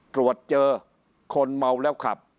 ตรวจเจอคนเมาแล้วขับ